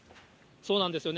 そうなんですよね。